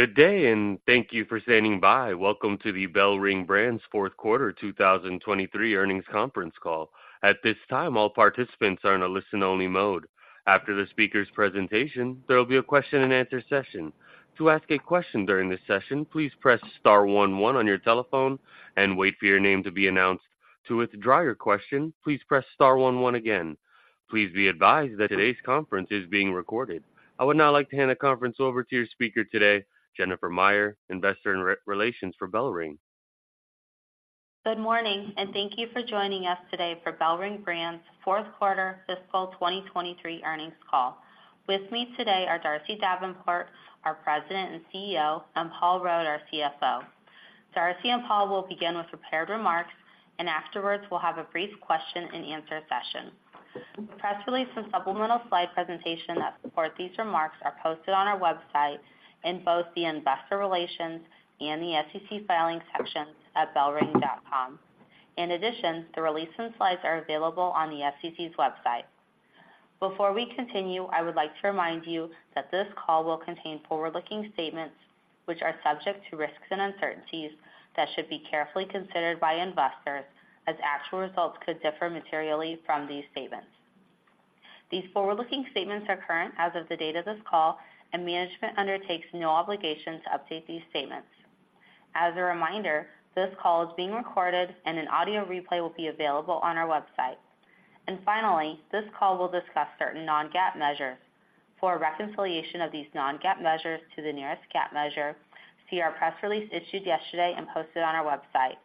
Good day, and thank you for standing by. Welcome to the BellRing Brands Fourth Quarter 2023 Earnings Conference Call. At this time, all participants are in a listen-only mode. After the speaker's presentation, there will be a question-and-answer session. To ask a question during this session, please press star one one on your telephone and wait for your name to be announced. To withdraw your question, please press star one one again. Please be advised that today's conference is being recorded. I would now like to hand the conference over to your speaker today, Jennifer Meyer, Investor Relations for BellRing. Good morning, and thank you for joining us today for BellRing Brands' fourth quarter fiscal 2023 earnings call. With me today are Darcy Davenport, our President and CEO, and Paul Rode, our CFO. Darcy and Paul will begin with prepared remarks, and afterwards, we'll have a brief question-and-answer session. The press release and supplemental slide presentation that support these remarks are posted on our website in both the Investor Relations and the SEC Filings sections at bellring.com. In addition, the release and slides are available on the SEC's website. Before we continue, I would like to remind you that this call will contain forward-looking statements, which are subject to risks and uncertainties that should be carefully considered by investors, as actual results could differ materially from these statements. These forward-looking statements are current as of the date of this call, and management undertakes no obligation to update these statements. As a reminder, this call is being recorded and an audio replay will be available on our website. Finally, this call will discuss certain non-GAAP measures. For a reconciliation of these non-GAAP measures to the nearest GAAP measure, see our press release issued yesterday and posted on our website.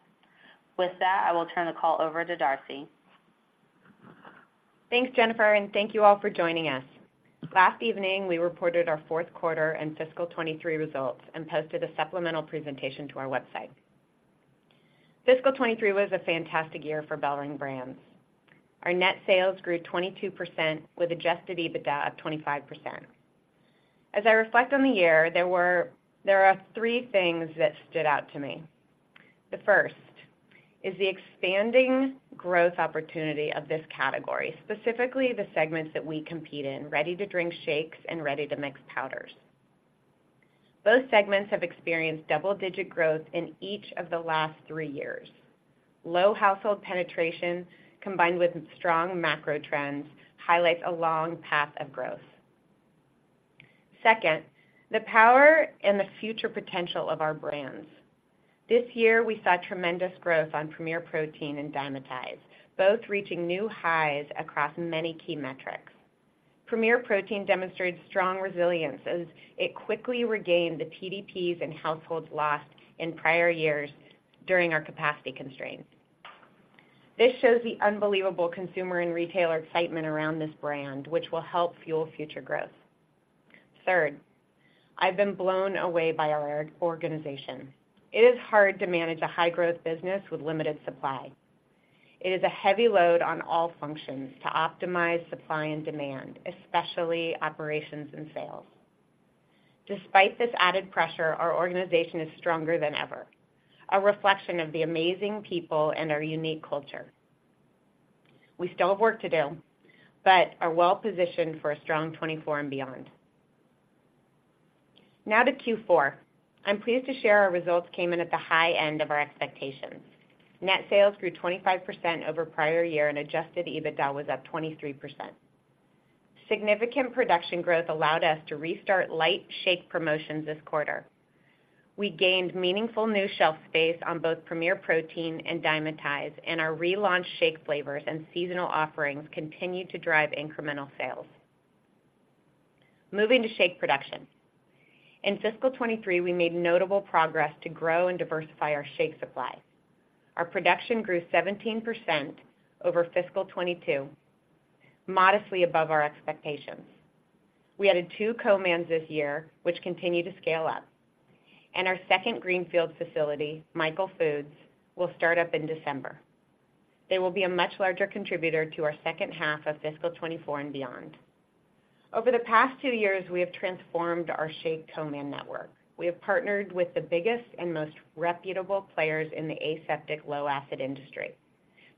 With that, I will turn the call over to Darcy. Thanks, Jennifer, and thank you all for joining us. Last evening, we reported our fourth quarter and fiscal 2023 results and posted a supplemental presentation to our website. Fiscal 2023 was a fantastic year for BellRing Brands. Our net sales grew 22% with adjusted EBITDA of 25%. As I reflect on the year, there are three things that stood out to me. The first is the expanding growth opportunity of this category, specifically the segments that we compete in, ready-to-drink shakes and ready-to-mix powders. Both segments have experienced double-digit growth in each of the last three years. Low household penetration, combined with strong macro trends, highlights a long path of growth. Second, the power and the future potential of our brands. This year, we saw tremendous growth on Premier Protein and Dymatize, both reaching new highs across many key metrics. Premier Protein demonstrated strong resilience as it quickly regained the TDPs and households lost in prior years during our capacity constraints. This shows the unbelievable consumer and retailer excitement around this brand, which will help fuel future growth. Third, I've been blown away by our organization. It is hard to manage a high-growth business with limited supply. It is a heavy load on all functions to optimize supply and demand, especially operations and sales. Despite this added pressure, our organization is stronger than ever, a reflection of the amazing people and our unique culture. We still have work to do, but are well positioned for a strong 2024 and beyond. Now to Q4. I'm pleased to share our results came in at the high end of our expectations. Net sales grew 25% over prior year, and Adjusted EBITDA was up 23%. Significant production growth allowed us to restart light shake promotions this quarter. We gained meaningful new shelf space on both Premier Protein and Dymatize, and our relaunched shake flavors and seasonal offerings continued to drive incremental sales. Moving to shake production. In fiscal 2023, we made notable progress to grow and diversify our shake supply. Our production grew 17% over fiscal 2022, modestly above our expectations. We added two co-mans this year, which continue to scale up, and our second greenfield facility, Michael Foods, will start up in December. They will be a much larger contributor to our second half of fiscal 2024 and beyond. Over the past two years, we have transformed our shake co-man network. We have partnered with the biggest and most reputable players in the aseptic, low-acid industry.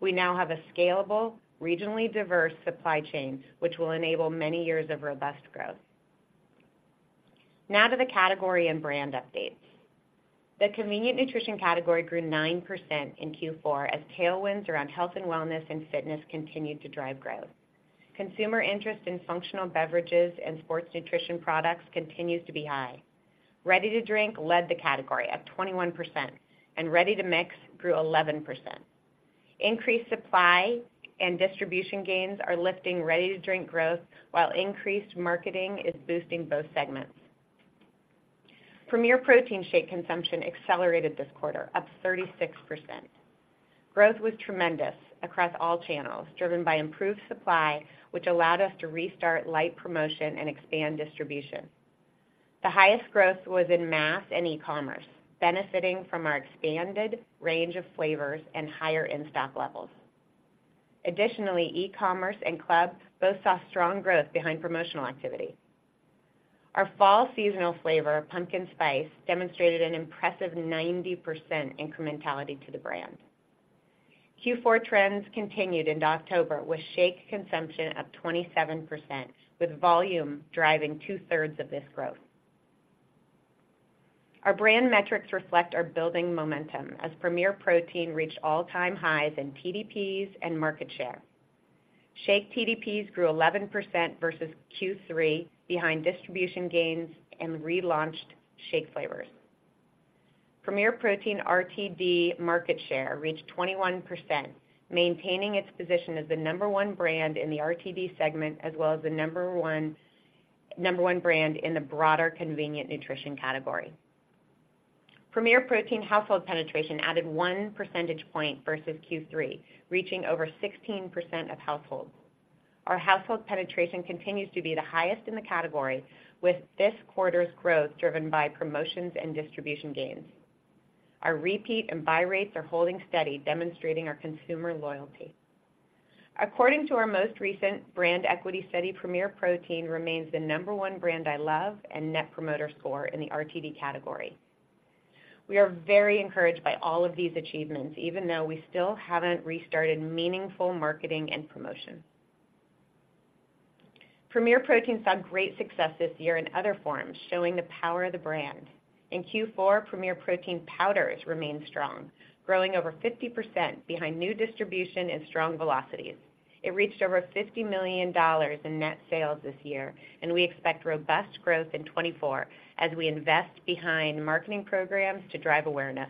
We now have a scalable, regionally diverse supply chain, which will enable many years of robust growth. Now to the category and brand updates. The convenient nutrition category grew 9% in Q4 as tailwinds around health and wellness and fitness continued to drive growth. Consumer interest in functional beverages and sports nutrition products continues to be high. Ready to drink led the category at 21%, and ready-to-mix grew 11%. Increased supply and distribution gains are lifting ready-to-drink growth, while increased marketing is boosting both segments. Premier Protein shake consumption accelerated this quarter, up 36%. Growth was tremendous across all channels, driven by improved supply, which allowed us to restart light promotion and expand distribution. The highest growth was in mass and e-commerce, benefiting from our expanded range of flavors and higher in-stock levels. Additionally, e-commerce and club both saw strong growth behind promotional activity. Our fall seasonal flavor, Pumpkin Spice, demonstrated an impressive 90% incrementality to the brand.... Q4 trends continued into October, with shake consumption up 27%, with volume driving 2/3 of this growth. Our brand metrics reflect our building momentum, as Premier Protein reached all-time highs in TDPs and market share. Shake TDPs grew 11% versus Q3, behind distribution gains and relaunched shake flavors. Premier Protein RTD market share reached 21%, maintaining its position as the number one brand in the RTD segment, as well as the number one, number one brand in the broader convenient nutrition category. Premier Protein household penetration added 1 percentage point versus Q3, reaching over 16% of households. Our household penetration continues to be the highest in the category, with this quarter's growth driven by promotions and distribution gains. Our repeat and buy rates are holding steady, demonstrating our consumer loyalty. According to our most recent brand equity study, Premier Protein remains the number one Brand I Love and Net Promoter Score in the RTD category. We are very encouraged by all of these achievements, even though we still haven't restarted meaningful marketing and promotion. Premier Protein saw great success this year in other forms, showing the power of the brand. In Q4, Premier Protein powders remained strong, growing over 50% behind new distribution and strong velocities. It reached over $50 million in net sales this year, and we expect robust growth in 2024 as we invest behind marketing programs to drive awareness.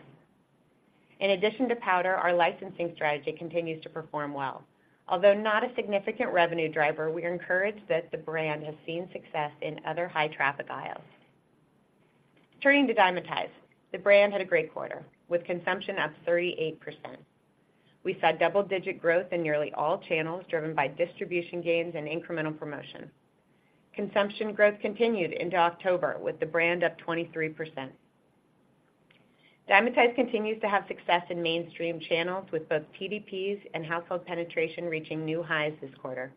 In addition to powder, our licensing strategy continues to perform well. Although not a significant revenue driver, we are encouraged that the brand has seen success in other high traffic aisles. Turning to Dymatize. The brand had a great quarter, with consumption up 38%. We saw double-digit growth in nearly all channels, driven by distribution gains and incremental promotion. Consumption growth continued into October, with the brand up 23%. Dymatize continues to have success in mainstream channels, with both TDPs and household penetration reaching new highs this quarter.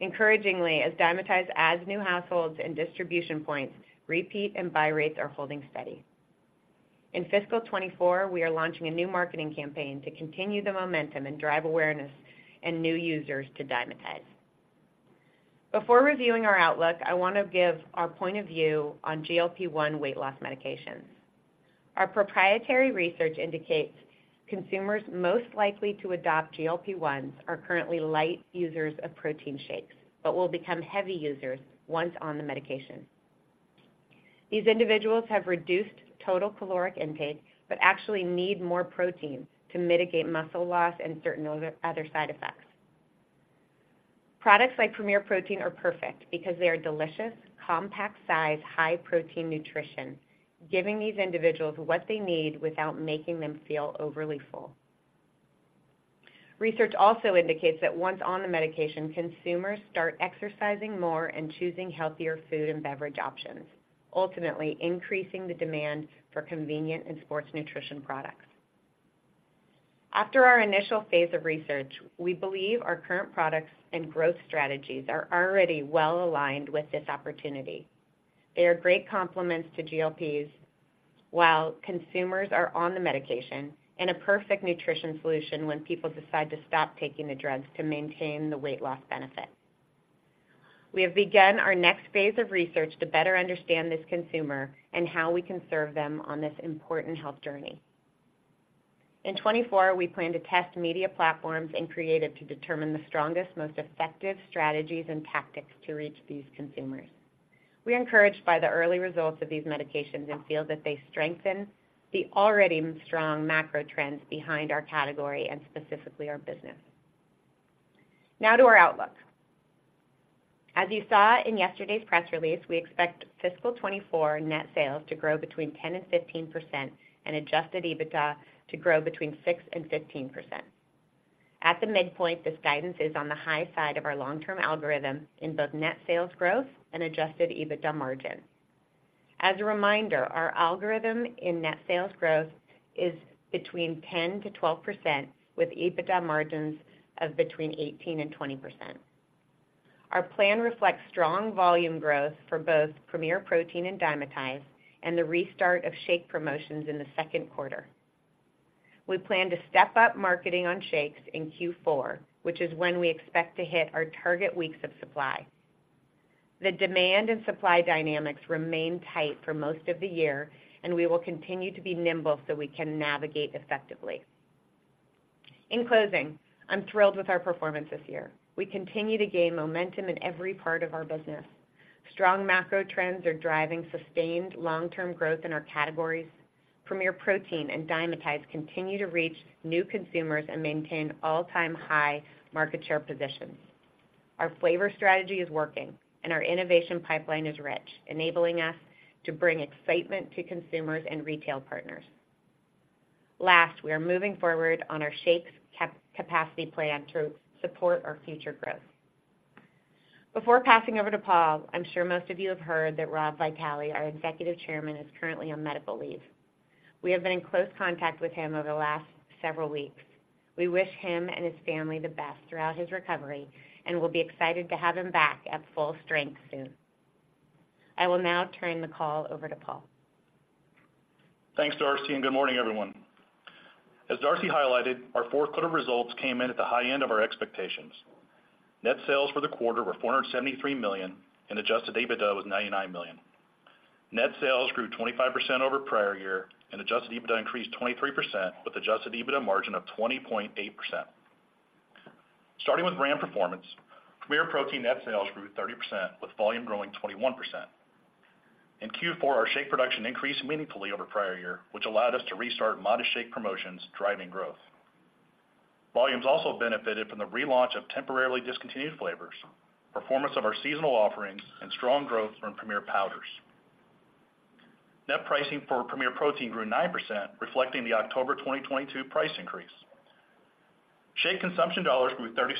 Encouragingly, as Dymatize adds new households and distribution points, repeat and buy rates are holding steady. In fiscal 2024, we are launching a new marketing campaign to continue the momentum and drive awareness and new users to Dymatize. Before reviewing our outlook, I want to give our point of view on GLP-1 weight loss medications. Our proprietary research indicates consumers most likely to adopt GLP-1s are currently light users of protein shakes, but will become heavy users once on the medication. These individuals have reduced total caloric intake, but actually need more protein to mitigate muscle loss and certain other side effects. Products like Premier Protein are perfect because they are delicious, compact size, high protein nutrition, giving these individuals what they need without making them feel overly full. Research also indicates that once on the medication, consumers start exercising more and choosing healthier food and beverage options, ultimately increasing the demand for convenient and sports nutrition products. After our initial phase of research, we believe our current products and growth strategies are already well aligned with this opportunity. They are great complements to GLPs while consumers are on the medication, and a perfect nutrition solution when people decide to stop taking the drugs to maintain the weight loss benefit. We have begun our next phase of research to better understand this consumer and how we can serve them on this important health journey. In 2024, we plan to test media platforms and creative to determine the strongest, most effective strategies and tactics to reach these consumers. We are encouraged by the early results of these medications and feel that they strengthen the already strong macro trends behind our category and specifically our business. Now to our outlook. As you saw in yesterday's press release, we expect fiscal 2024 net sales to grow between 10% and 15% and Adjusted EBITDA to grow between 6% and 15%. At the midpoint, this guidance is on the high side of our long-term algorithm in both net sales growth and Adjusted EBITDA margin. As a reminder, our algorithm in net sales growth is between 10%-12%, with EBITDA margins of between 18% and 20%. Our plan reflects strong volume growth for both Premier Protein and Dymatize, and the restart of shake promotions in the second quarter. We plan to step up marketing on shakes in Q4, which is when we expect to hit our target weeks of supply. The demand and supply dynamics remain tight for most of the year, and we will continue to be nimble so we can navigate effectively. In closing, I'm thrilled with our performance this year. We continue to gain momentum in every part of our business. Strong macro trends are driving sustained long-term growth in our categories. Premier Protein and Dymatize continue to reach new consumers and maintain all-time high market share positions. Our flavor strategy is working and our innovation pipeline is rich, enabling us to bring excitement to consumers and retail partners. Last, we are moving forward on our shakes capacity plan to support our future growth. Before passing over to Paul, I'm sure most of you have heard that Rob Vitale, our Executive Chairman, is currently on medical leave. We have been in close contact with him over the last several weeks. We wish him and his family the best throughout his recovery, and we'll be excited to have him back at full strength soon. I will now turn the call over to Paul. Thanks, Darcy, and good morning, everyone. As Darcy highlighted, our fourth quarter results came in at the high end of our expectations. Net sales for the quarter were $473 million, and adjusted EBITDA was $99 million. Net sales grew 25% over prior year, and adjusted EBITDA increased 23%, with adjusted EBITDA margin of 20.8%. Starting with brand performance, Premier Protein net sales grew 30%, with volume growing 21%. In Q4, our shake production increased meaningfully over prior year, which allowed us to restart modest shake promotions, driving growth. Volumes also benefited from the relaunch of temporarily discontinued flavors, performance of our seasonal offerings, and strong growth from Premier Powders. Net pricing for Premier Protein grew 9%, reflecting the October 2022 price increase. Shake consumption dollars grew 36%,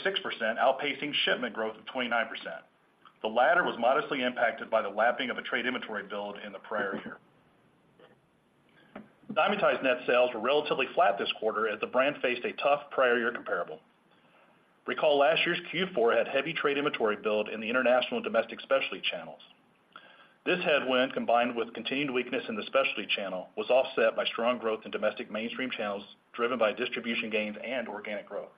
outpacing shipment growth of 29%. The latter was modestly impacted by the lapping of a trade inventory build in the prior year. Dymatize net sales were relatively flat this quarter as the brand faced a tough prior year comparable. Recall, last year's Q4 had heavy trade inventory build in the international and domestic specialty channels. This headwind, combined with continued weakness in the specialty channel, was offset by strong growth in domestic mainstream channels, driven by distribution gains and organic growth.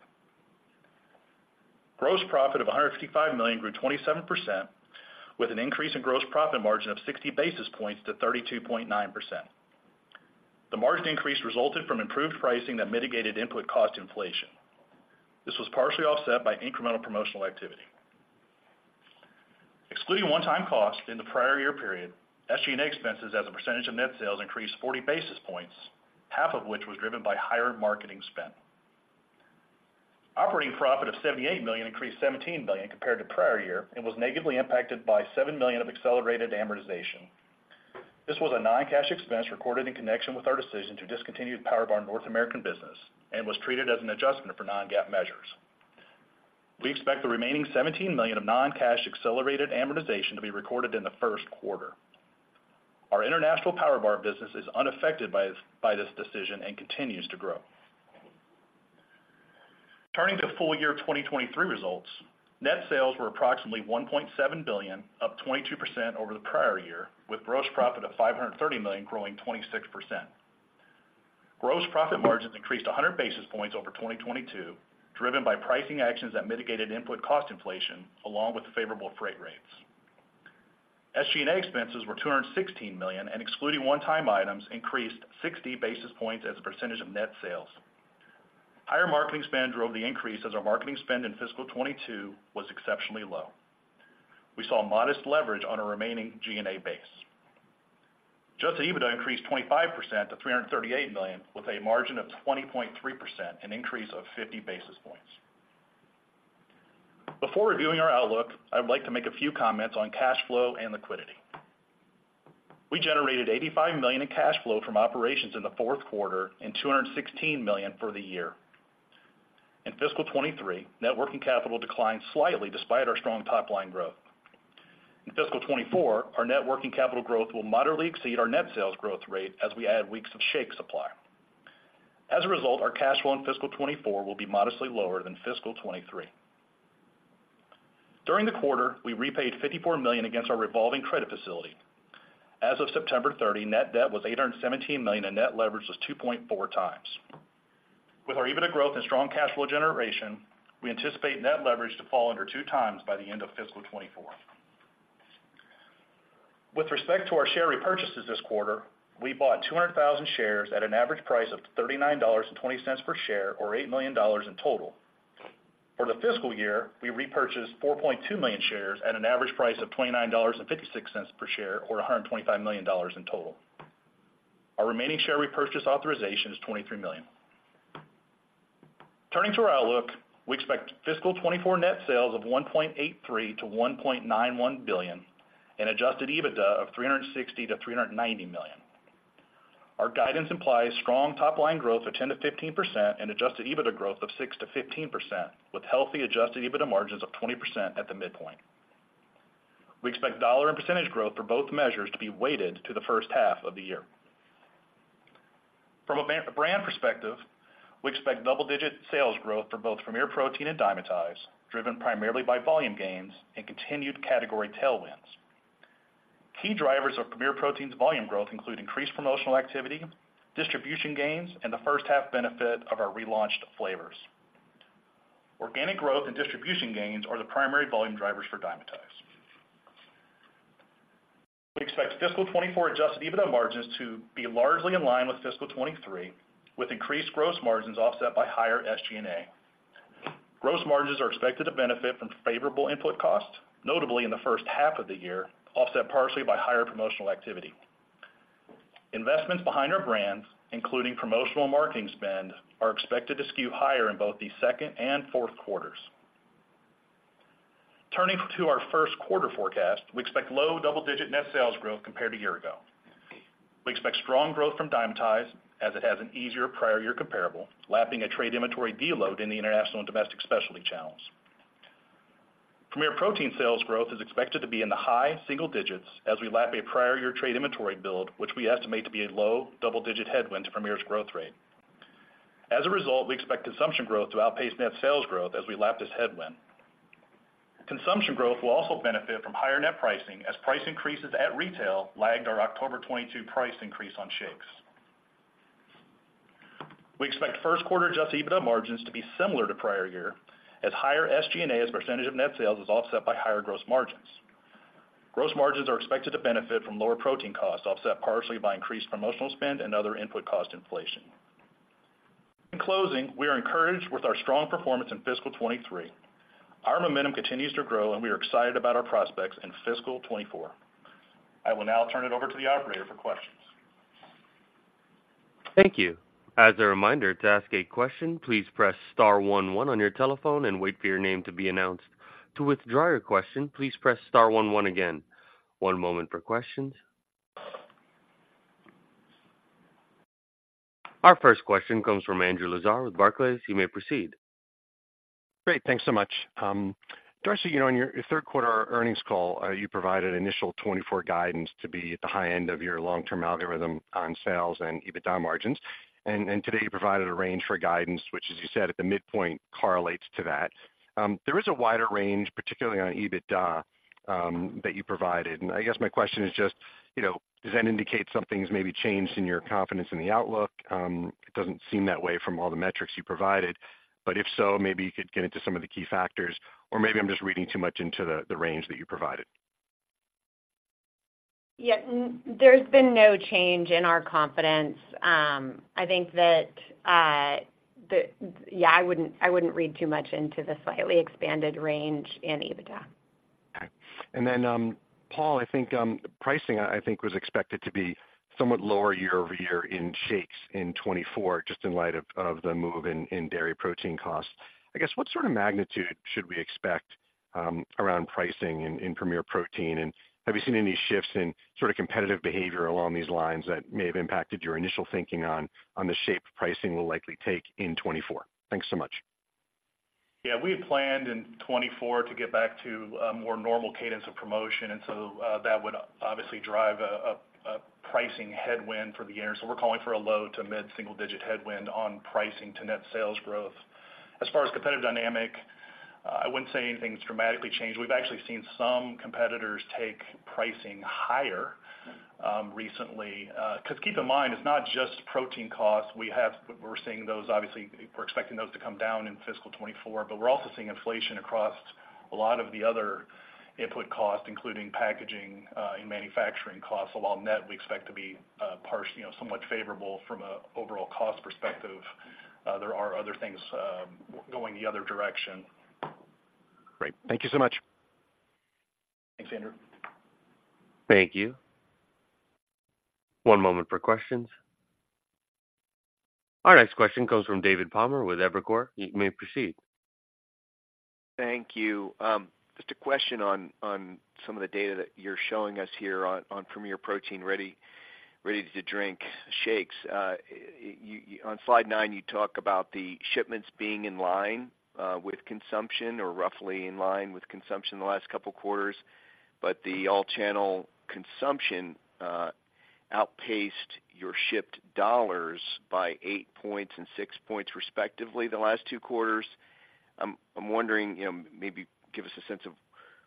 Gross profit of $155 million grew 27%, with an increase in gross profit margin of 60 basis points to 32.9%. The margin increase resulted from improved pricing that mitigated input cost inflation. This was partially offset by incremental promotional activity. Excluding one-time costs in the prior year period, SG&A expenses as a percentage of net sales increased 40 basis points, half of which was driven by higher marketing spend. Operating profit of $78 million increased $17 million compared to prior year and was negatively impacted by $7 million of accelerated amortization. This was a non-cash expense recorded in connection with our decision to discontinue the PowerBar North American business and was treated as an adjustment for non-GAAP measures. We expect the remaining $17 million of non-cash accelerated amortization to be recorded in the first quarter. Our international PowerBar business is unaffected by this decision and continues to grow. Turning to full year 2023 results, net sales were approximately $1.7 billion, up 22% over the prior year, with gross profit of $530 million growing 26%. Gross profit margins increased 100 basis points over 2022, driven by pricing actions that mitigated input cost inflation along with favorable freight rates. SG&A expenses were $216 million, and excluding one-time items, increased 60 basis points as a percentage of net sales. Higher marketing spend drove the increase as our marketing spend in fiscal 2022 was exceptionally low. We saw modest leverage on our remaining G&A base. Adjusted EBITDA increased 25% to $338 million, with a margin of 20.3%, an increase of 50 basis points. Before reviewing our outlook, I'd like to make a few comments on cash flow and liquidity. We generated $85 million in cash flow from operations in the fourth quarter and $216 million for the year. In fiscal 2023, net working capital declined slightly despite our strong top-line growth. In fiscal 2024, our net working capital growth will moderately exceed our net sales growth rate as we add weeks of shake supply. As a result, our cash flow in fiscal 2024 will be modestly lower than fiscal 2023. During the quarter, we repaid $54 million against our revolving credit facility. As of September 30, net debt was $817 million, and net leverage was 2.4x. With our EBITDA growth and strong cash flow generation, we anticipate net leverage to fall under 2x by the end of fiscal 2024. With respect to our share repurchases this quarter, we bought 200,000 shares at an average price of $39.20 per share or $8 million in total. For the fiscal year, we repurchased 4.2 million shares at an average price of $29.56 per share or $125 million in total. Our remaining share repurchase authorization is 23 million. Turning to our outlook, we expect fiscal 2024 net sales of $1.83 billion-$1.91 billion and Adjusted EBITDA of $360 million-$390 million. Our guidance implies strong top-line growth of 10%-15% and Adjusted EBITDA growth of 6%-15%, with healthy Adjusted EBITDA margins of 20% at the midpoint. We expect dollar and percentage growth for both measures to be weighted to the first half of the year. From a brand perspective, we expect double-digit sales growth for both Premier Protein and Dymatize, driven primarily by volume gains and continued category tailwinds. Key drivers of Premier Protein's volume growth include increased promotional activity, distribution gains, and the first-half benefit of our relaunched flavors. Organic growth and distribution gains are the primary volume drivers for Dymatize. We expect fiscal 2024 Adjusted EBITDA margins to be largely in line with fiscal 2023, with increased gross margins offset by higher SG&A. Gross margins are expected to benefit from favorable input costs, notably in the first half of the year, offset partially by higher promotional activity. Investments behind our brands, including promotional marketing spend, are expected to skew higher in both the second and fourth quarters. Turning to our first quarter forecast, we expect low double-digit net sales growth compared to a year ago. We expect strong growth from Dymatize as it has an easier prior year comparable, lapping a trade inventory deload in the international and domestic specialty channels. Premier Protein sales growth is expected to be in the high single digits as we lap a prior year trade inventory build, which we estimate to be a low double-digit headwind to Premier's growth rate. As a result, we expect consumption growth to outpace net sales growth as we lap this headwind. Consumption growth will also benefit from higher net pricing as price increases at retail lagged our October 2022 price increase on shakes. We expect first quarter Adjusted EBITDA margins to be similar to prior year, as higher SG&A as a percentage of net sales is offset by higher gross margins. Gross margins are expected to benefit from lower protein costs, offset partially by increased promotional spend and other input cost inflation. In closing, we are encouraged with our strong performance in fiscal 2023. Our momentum continues to grow, and we are excited about our prospects in fiscal 2024. I will now turn it over to the operator for questions. Thank you. As a reminder, to ask a question, please press star one, one on your telephone and wait for your name to be announced. To withdraw your question, please press star one, one again. One moment for questions. Our first question comes from Andrew Lazar with Barclays. You may proceed. Great, thanks so much. Darcy, you know, on your third quarter earnings call, you provided initial 2024 guidance to be at the high end of your long-term algorithm on sales and EBITDA margins. And today you provided a range for guidance, which, as you said, at the midpoint, correlates to that. There is a wider range, particularly on EBITDA, that you provided. And I guess my question is just, you know, does that indicate something has maybe changed in your confidence in the outlook? It doesn't seem that way from all the metrics you provided, but if so, maybe you could get into some of the key factors, or maybe I'm just reading too much into the range that you provided. Yeah, there's been no change in our confidence. I think that, yeah, I wouldn't, I wouldn't read too much into the slightly expanded range in EBITDA. Okay. And then, Paul, I think, pricing, I think, was expected to be somewhat lower year-over-year in shakes in 2024, just in light of, of the move in, in dairy protein costs. I guess, what sort of magnitude should we expect, around pricing in, in Premier Protein? And have you seen any shifts in sort of competitive behavior along these lines that may have impacted your initial thinking on, on the shape pricing will likely take in 2024? Thanks so much. Yeah, we had planned in 2024 to get back to a more normal cadence of promotion, and so that would obviously drive a pricing headwind for the year. So we're calling for a low- to mid-single-digit headwind on pricing to net sales growth. As far as competitive dynamic, I wouldn't say anything's dramatically changed. We've actually seen some competitors take pricing higher recently. Because keep in mind, it's not just protein costs. We're seeing those, obviously; we're expecting those to come down in fiscal 2024, but we're also seeing inflation across a lot of the other input costs, including packaging and manufacturing costs. So while net, we expect to be partial, you know, somewhat favorable from an overall cost perspective, there are other things going the other direction. Great. Thank you so much. Thanks, Andrew. Thank you. One moment for questions. Our next question comes from David Palmer with Evercore. You may proceed. Thank you. Just a question on some of the data that you're showing us here on Premier Protein ready-to-drink shakes. You on slide nine, you talk about the shipments being in line with consumption or roughly in line with consumption the last couple of quarters, but the all-channel consumption outpaced your shipped dollars by 8 points and 6 points, respectively, the last two quarters. I'm wondering, you know, maybe give us a sense of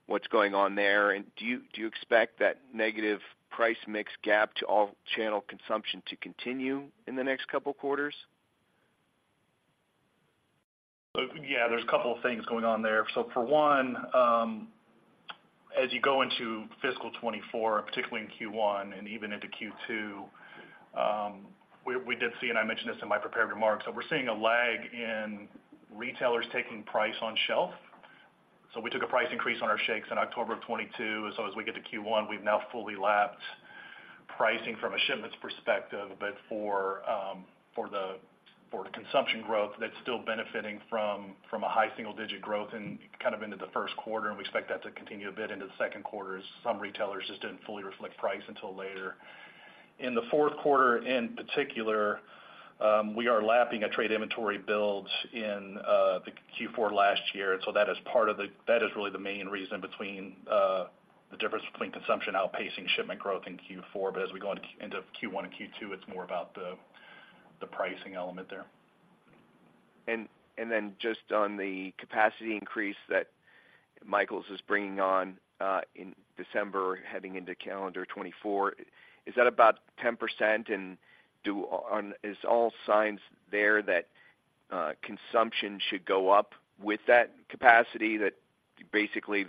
what's going on there. And do you expect that negative price mix gap to all-channel consumption to continue in the next couple of quarters? Yeah, there's a couple of things going on there. So for one, as you go into fiscal 2024, particularly in Q1 and even into Q2, we, we did see, and I mentioned this in my prepared remarks, so we're seeing a lag in retailers taking price on shelf. So we took a price increase on our shakes in October 2022. So as we get to Q1, we've now fully lapped pricing from a shipments perspective. But for, for the, for the consumption growth, that's still benefiting from, from a high single-digit growth and kind of into the first quarter, and we expect that to continue a bit into the second quarter as some retailers just didn't fully reflect price until later. In the fourth quarter, in particular, we are lapping a trade inventory build in, the Q4 last year. So that is part of the, that is really the main reason between the difference between consumption outpacing shipment growth in Q4. But as we go into Q1 and Q2, it's more about the pricing element there. And then just on the capacity increase that Michael Foods is bringing on in December, heading into calendar 2024, is that about 10%? And is all signs there that consumption should go up with that capacity, that basically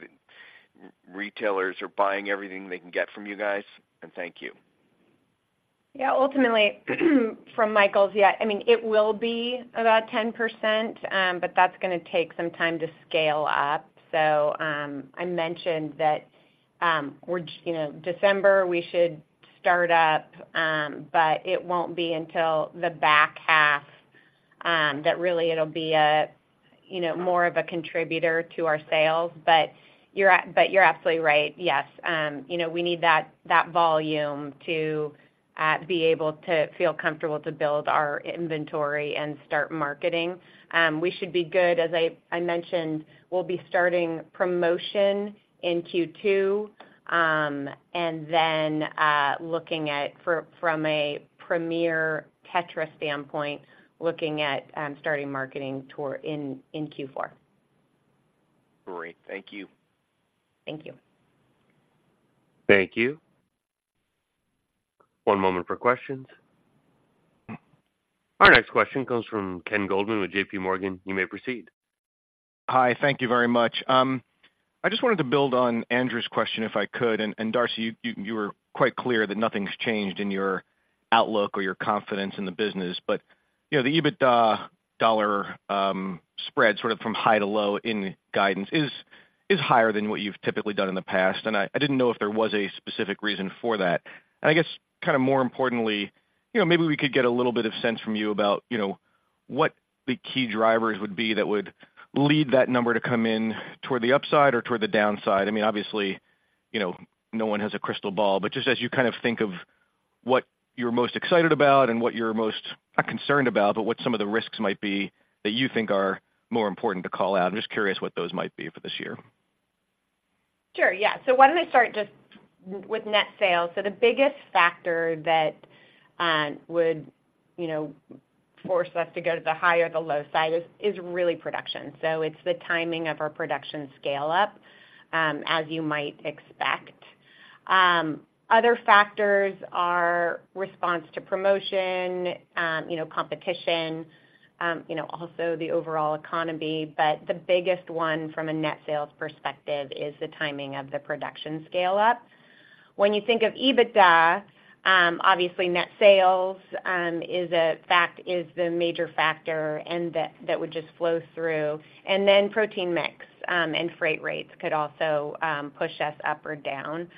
retailers are buying everything they can get from you guys? And thank you. Yeah, ultimately, from Michael Foods, yeah. I mean, it will be about 10%, but that's going to take some time to scale up. So, I mentioned that, we're, you know, December, we should start up, but it won't be until the back half that really it'll be a, you know, more of a contributor to our sales. But you're absolutely right. Yes, you know, we need that volume to be able to feel comfortable to build our inventory and start marketing. We should be good. As I mentioned, we'll be starting promotion in Q2, and then, looking at from a Premier Tetra standpoint, looking at starting marketing tour in Q4.... Thank you. Thank you. Thank you. One moment for questions. Our next question comes from Ken Goldman with JPMorgan. You may proceed. Hi, thank you very much. I just wanted to build on Andrew's question, if I could. And, Darcy, you, you were quite clear that nothing's changed in your outlook or your confidence in the business. But, you know, the EBITDA dollar spread sort of from high to low in guidance is higher than what you've typically done in the past, and I didn't know if there was a specific reason for that. And I guess, kind of more importantly, you know, maybe we could get a little bit of sense from you about, you know, what the key drivers would be that would lead that number to come in toward the upside or toward the downside. I mean, obviously, you know, no one has a crystal ball, but just as you kind of think of what you're most excited about and what you're most, not concerned about, but what some of the risks might be that you think are more important to call out, I'm just curious what those might be for this year. Sure. Yeah. So why don't I start just with net sales? So the biggest factor that would, you know, force us to go to the high or the low side is really production. So it's the timing of our production scale-up, as you might expect. Other factors are response to promotion, you know, competition, you know, also the overall economy. But the biggest one from a net sales perspective is the timing of the production scale-up. When you think of EBITDA, obviously, net sales is the major factor, and that would just flow through. And then protein mix and freight rates could also push us up or down.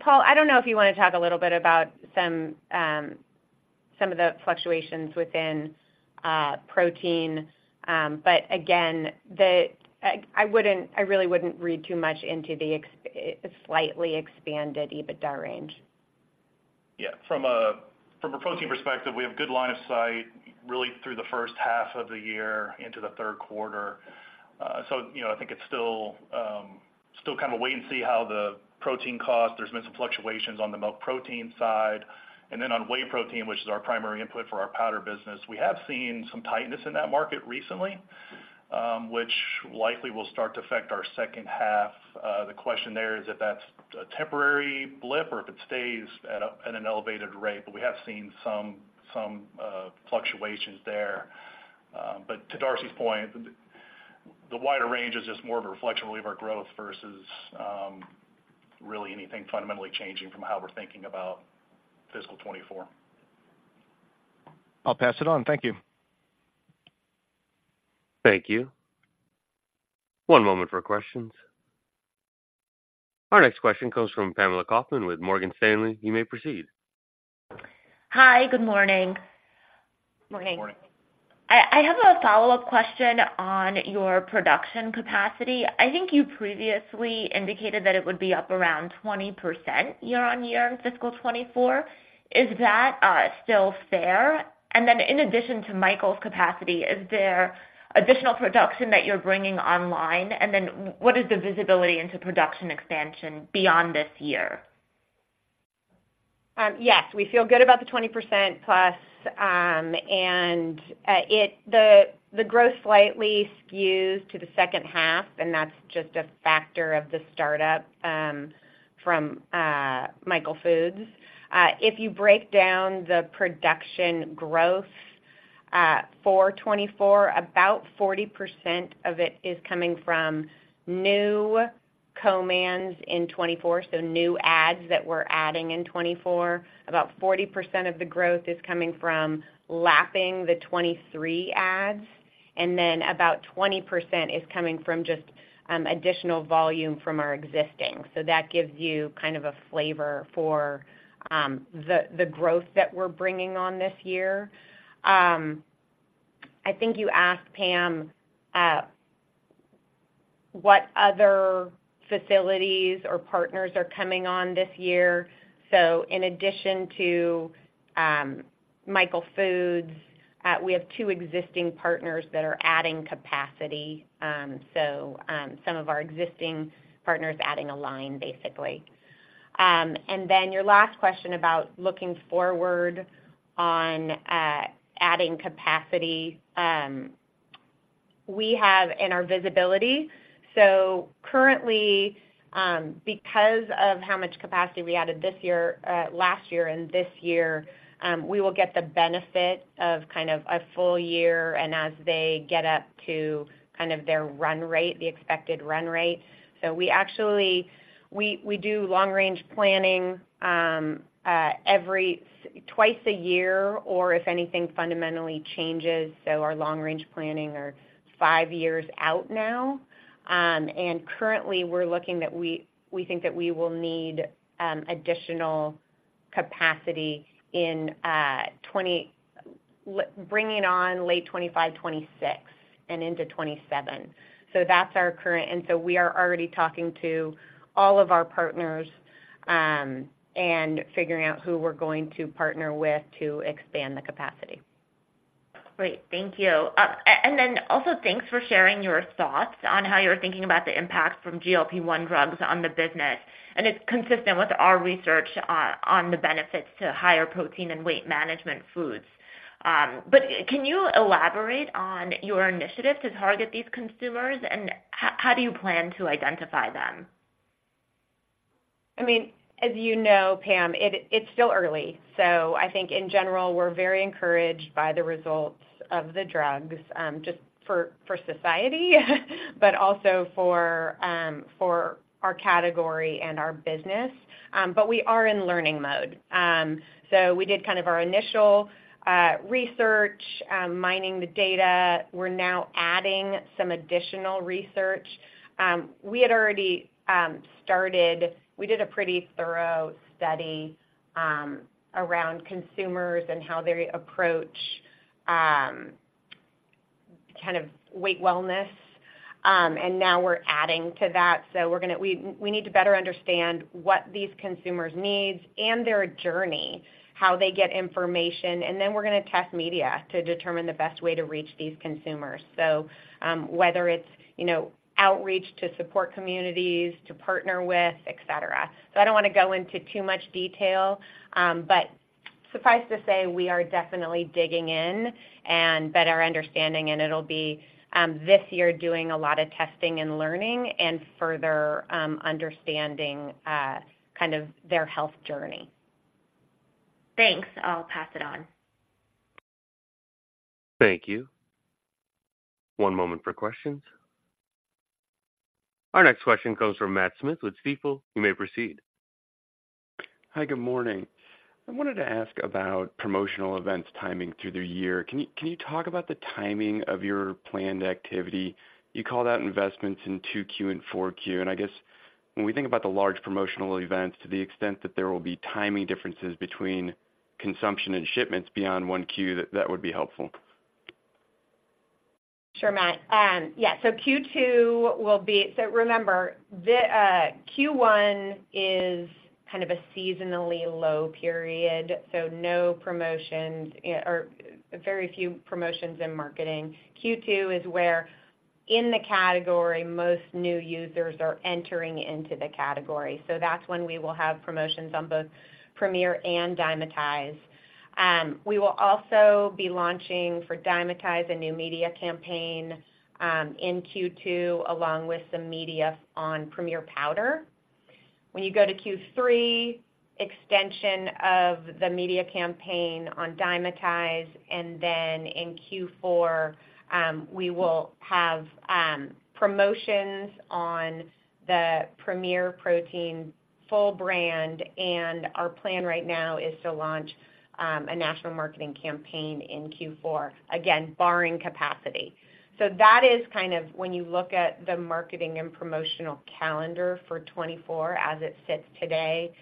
Paul, I don't know if you want to talk a little bit about some of the fluctuations within protein, but again, I really wouldn't read too much into the slightly expanded EBITDA range. Yeah. From a protein perspective, we have good line of sight really through the first half of the year into the third quarter. So, you know, I think it's still kind of wait and see how the protein cost. There's been some fluctuations on the milk protein side, and then on whey protein, which is our primary input for our powder business. We have seen some tightness in that market recently, which likely will start to affect our second half. The question there is if that's a temporary blip or if it stays at an elevated rate, but we have seen some fluctuations there. But to Darcy's point, the wider range is just more of a reflection really of our growth versus really anything fundamentally changing from how we're thinking about fiscal 2024. I'll pass it on. Thank you. Thank you. One moment for questions. Our next question comes from Pamela Kaufman with Morgan Stanley. You may proceed. Hi, good morning. Morning. Morning. I have a follow-up question on your production capacity. I think you previously indicated that it would be up around 20% year-over-year in fiscal 2024. Is that still fair? And then in addition to Michael Foods' capacity, is there additional production that you're bringing online? And then what is the visibility into production expansion beyond this year? Yes, we feel good about the 20%+, and the growth slightly skews to the second half, and that's just a factor of the startup from Michael Foods. If you break down the production growth for 2024, about 40% of it is coming from new co-mans in 2024, so new adds that we're adding in 2024. About 40% of the growth is coming from lapping the 2023 adds, and then about 20% is coming from just additional volume from our existing. So that gives you kind of a flavor for the growth that we're bringing on this year. I think you asked, Pam, what other facilities or partners are coming on this year. So in addition to Michael Foods, we have two existing partners that are adding capacity. So, some of our existing partners adding a line, basically. And then your last question about looking forward on adding capacity, we have in our visibility. So currently, because of how much capacity we added this year, last year and this year, we will get the benefit of kind of a full year and as they get up to kind of their run rate, the expected run rate. So we actually do long-range planning twice a year or if anything, fundamentally changes. So our long-range planning are five years out now. And currently we're looking that we think that we will need additional capacity in, bringing on late 2025, 2026 and into 2027. So that's our current... And so we are already talking to all of our partners, and figuring out who we're going to partner with to expand the capacity. Great. Thank you. And then also, thanks for sharing your thoughts on how you're thinking about the impact from GLP-1 drugs on the business, and it's consistent with our research on the benefits to higher protein and weight management foods. But can you elaborate on your initiative to target these consumers, and how do you plan to identify them?... I mean, as you know, Pam, it, it's still early. So I think in general, we're very encouraged by the results of the drugs, just for, for society, but also for, for our category and our business. But we are in learning mode. So we did kind of our initial research, mining the data. We're now adding some additional research. We did a pretty thorough study around consumers and how they approach kind of weight wellness, and now we're adding to that. So we're gonna, we need to better understand what these consumers needs and their journey, how they get information, and then we're gonna test media to determine the best way to reach these consumers. So, whether it's, you know, outreach to support communities, to partner with, et cetera. So I don't wanna go into too much detail, but suffice to say, we are definitely digging in and better understanding, and it'll be this year doing a lot of testing and learning and further understanding, kind of their health journey. Thanks. I'll pass it on. Thank you. One moment for questions. Our next question comes from Matt Smith with Stifel. You may proceed. Hi, good morning. I wanted to ask about promotional events timing through the year. Can you, can you talk about the timing of your planned activity? You called out investments in 2Q and 4Q. And I guess when we think about the large promotional events, to the extent that there will be timing differences between consumption and shipments beyond 1Q, that would be helpful. Sure, Matt. Yeah, so Q2 will be so remember, the Q1 is kind of a seasonally low period, so no promotions or very few promotions in marketing. Q2 is where, in the category, most new users are entering into the category, so that's when we will have promotions on both Premier and Dymatize. We will also be launching for Dymatize a new media campaign in Q2, along with some media on Premier Powder. When you go to Q3, extension of the media campaign on Dymatize, and then in Q4, we will have promotions on the Premier Protein full brand, and our plan right now is to launch a national marketing campaign in Q4. Again, barring capacity. So that is kind of when you look at the marketing and promotional calendar for 2024, as it sits today.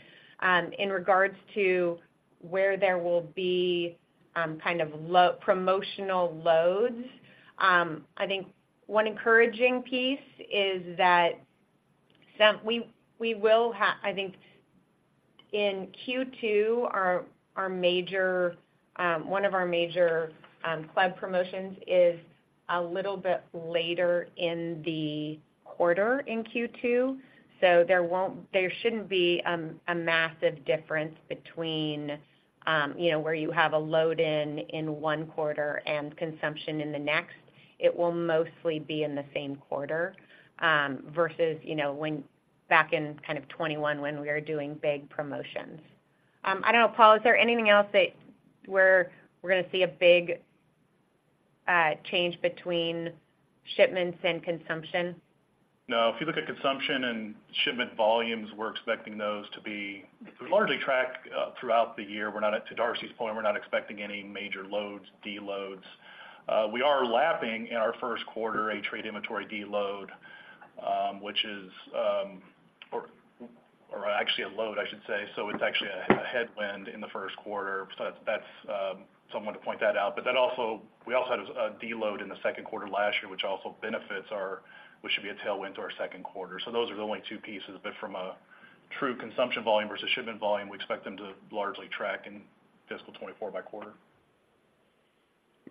In regards to where there will be kind of low promotional loads, I think one encouraging piece is that we will have—I think in Q2, our major one of our major club promotions is a little bit later in the quarter in Q2, so there won't—there shouldn't be a massive difference between, you know, where you have a load-in in one quarter and consumption in the next. It will mostly be in the same quarter versus, you know, when back in kind of 2021 when we are doing big promotions. I don't know, Paul, is there anything else that where we're gonna see a big change between shipments and consumption? No. If you look at consumption and shipment volumes, we're expecting those to be largely tracked throughout the year. We're not, at to Darcy's point, we're not expecting any major loads, deloads. We are lapping in our first quarter, a trade inventory deload, which is, or actually a load, I should say. So it's actually a headwind in the first quarter. So that's, so I'm going to point that out. But then also, we also had a deload in the second quarter last year, which also benefits our, which should be a tailwind to our second quarter. So those are the only two pieces. But from a true consumption volume versus shipment volume, we expect them to largely track in fiscal 2024 by quarter.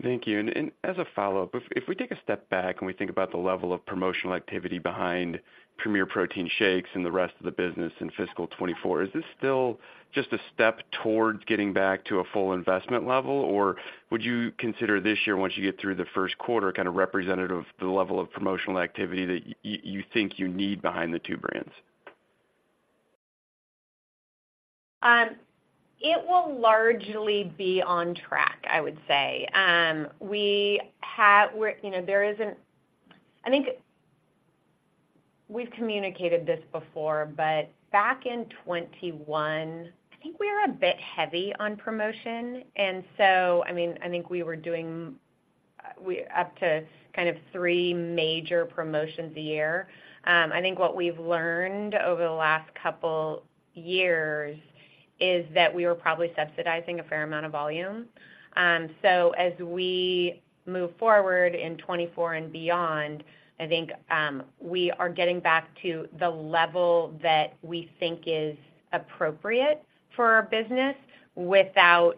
Thank you. As a follow-up, if we take a step back and we think about the level of promotional activity behind Premier Protein shakes and the rest of the business in fiscal 2024, is this still just a step towards getting back to a full investment level? Or would you consider this year, once you get through the first quarter, kind of representative of the level of promotional activity that you think you need behind the two brands? It will largely be on track, I would say. We have, we're... You know, there isn't-- I think we've communicated this before, but back in 2021, I think we were a bit heavy on promotion, and so, I mean, I think we were doing, we-- up to kind of three major promotions a year. I think what we've learned over the last couple years is that we were probably subsidizing a fair amount of volume. So as we move forward in 2024 and beyond, I think, we are getting back to the level that we think is appropriate for our business without,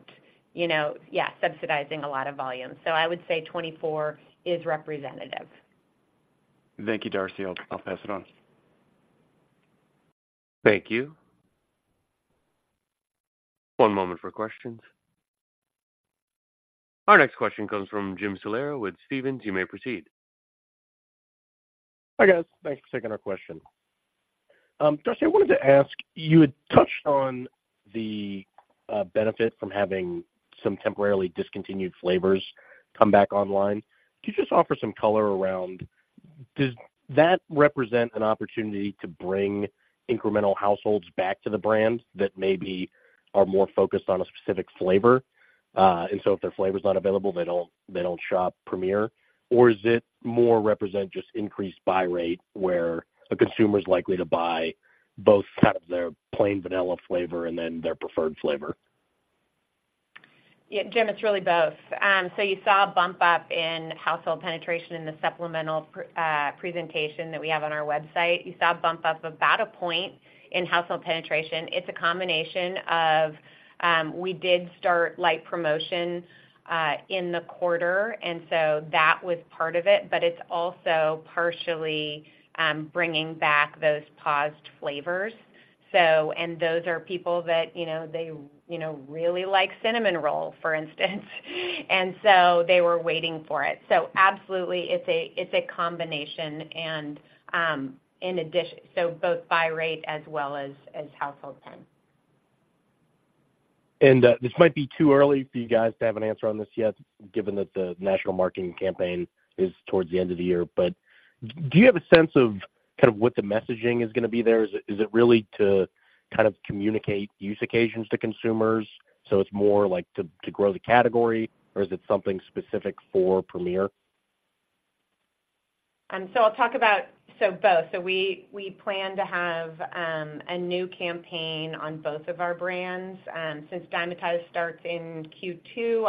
you know, yeah, subsidizing a lot of volume. So I would say 2024 is representative. Thank you, Darcy. I'll pass it on. Thank you. One moment for questions. Our next question comes from Jim Salera with Stephens. You may proceed. Hi, guys. Thanks for taking our question. Darcy, I wanted to ask, you had touched on the benefit from having some temporarily discontinued flavors come back online. Could you just offer some color around, does that represent an opportunity to bring incremental households back to the brand that maybe are more focused on a specific flavor, and so if their flavor is not available, they don't, they don't shop Premier? Or is it more represent just increased buy rate, where a consumer is likely to buy both kind of their plain vanilla flavor and then their preferred flavor? Yeah, Jim, it's really both. So you saw a bump up in household penetration in the supplemental presentation that we have on our website. You saw a bump up about a point in household penetration. It's a combination of, we did start light promotion in the quarter, and so that was part of it, but it's also partially, bringing back those paused flavors. So and those are people that, you know, they, you know, really like Cinnamon Roll, for instance, and so they were waiting for it. So absolutely, it's a, it's a combination and, in addition, so both buy rate as well as, as household penetration. This might be too early for you guys to have an answer on this yet, given that the national marketing campaign is towards the end of the year, but do you have a sense of kind of what the messaging is gonna be there? Is it, is it really to kind of communicate use occasions to consumers, so it's more like to, to grow the category? Or is it something specific for Premier? So I'll talk about both. We plan to have a new campaign on both of our brands. Since Dymatize starts in Q2,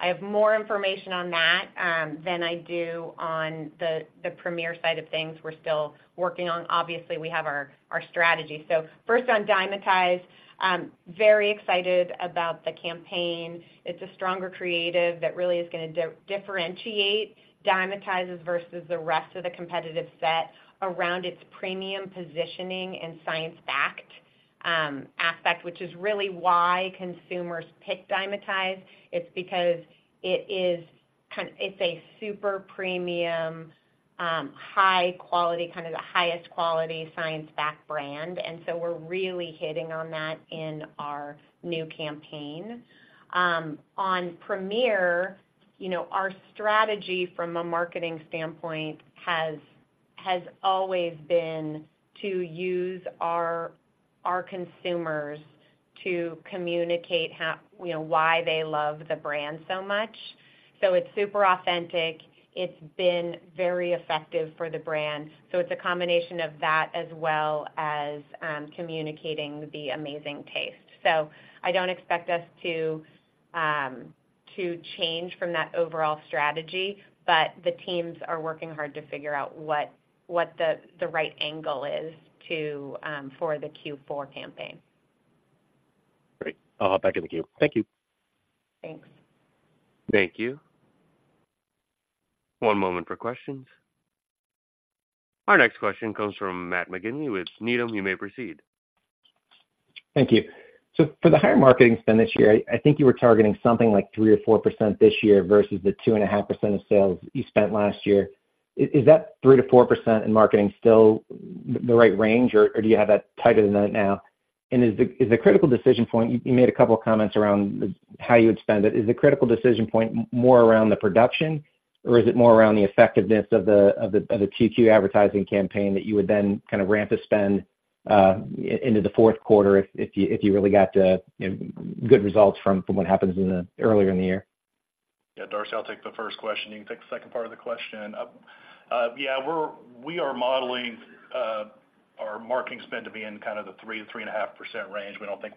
I have more information on that than I do on the Premier side of things we're still working on. Obviously, we have our strategy. So first on Dymatize, very excited about the campaign. It's a stronger creative that really is gonna differentiate Dymatize versus the rest of the competitive set around its premium positioning and science-backed aspect, which is really why consumers pick Dymatize. It's because it is kind of a super premium, high quality, kind of the highest quality science-backed brand, and so we're really hitting on that in our new campaign. On Premier, you know, our strategy from a marketing standpoint has always been to use our consumers to communicate how, you know, why they love the brand so much. So it's super authentic. It's been very effective for the brand. So it's a combination of that as well as communicating the amazing taste. So I don't expect us to change from that overall strategy, but the teams are working hard to figure out what the right angle is to for the Q4 campaign. Great. I'll hop back in the queue. Thank you. Thanks. Thank you. One moment for questions. Our next question comes from Matt McGinley with Needham. You may proceed. Thank you. So for the higher marketing spend this year, I think you were targeting something like 3% or 4% this year versus the 2.5% of sales you spent last year. Is that 3%-4% in marketing still the right range, or do you have that tighter than that now? And is the critical decision point... You made a couple of comments around the how you would spend it. Is the critical decision point more around the production, or is it more around the effectiveness of the Q2 advertising campaign that you would then kind of ramp the spend into the fourth quarter if you really got the you know good results from what happens earlier in the year? Yeah, Darcy, I'll take the first question. You can take the second part of the question. Yeah, we're modeling our marketing spend to be in kind of the 3%-3.5% range. We don't think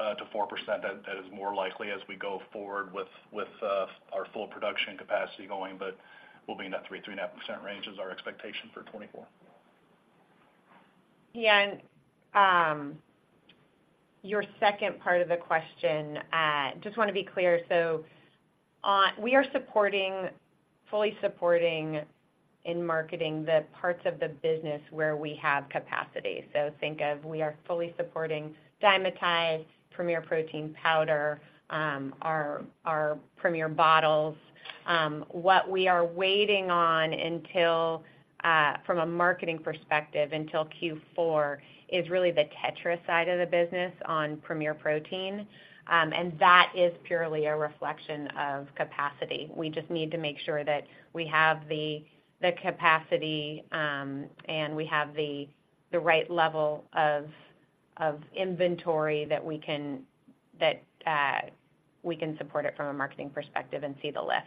we'll get to 4%. That is more likely as we go forward with our full production capacity going, but we'll be in that 3%-3.5% range is our expectation for 2024. Yeah, and, your second part of the question, just wanna be clear. So, we are supporting, fully supporting in marketing the parts of the business where we have capacity. So think of, we are fully supporting Dymatize, Premier Protein powder, our Premier bottles. What we are waiting on until, from a marketing perspective, until Q4, is really the Tetra side of the business on Premier Protein, and that is purely a reflection of capacity. We just need to make sure that we have the capacity, and we have the right level of inventory that we can support it from a marketing perspective and see the lift.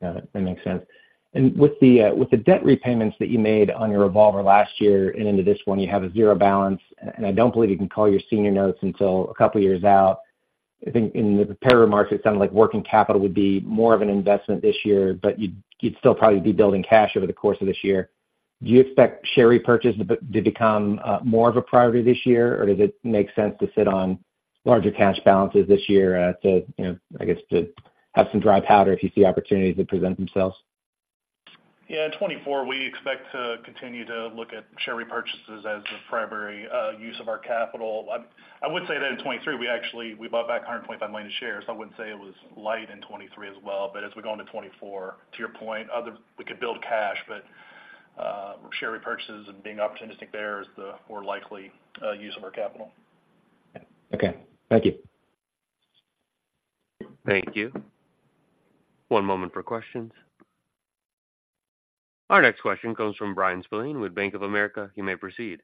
Got it. That makes sense. And with the debt repayments that you made on your revolver last year and into this one, you have a zero balance, and I don't believe you can call your senior notes until a couple of years out. I think in the prepared remarks, it sounded like working capital would be more of an investment this year, but you'd still probably be building cash over the course of this year. Do you expect share repurchase to become more of a priority this year, or does it make sense to sit on larger cash balances this year, to you know, I guess, to have some dry powder if you see opportunities that present themselves?... Yeah, in 2024, we expect to continue to look at share repurchases as the primary use of our capital. I, I would say that in 2023, we actually, we bought back 125 million shares. So I wouldn't say it was light in 2023 as well. But as we go into 2024, to your point, other, we could build cash, but share repurchases and being opportunistic there is the more likely use of our capital. Okay. Thank you. Thank you. One moment for questions. Our next question comes from Bryan Spillane with Bank of America. You may proceed.